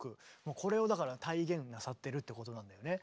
これをだから体現なさってるってことなんだよね。